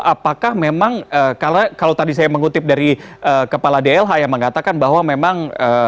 apakah memang kalau tadi saya mengutip dari kepala dlh yang mengatakan bahwa memang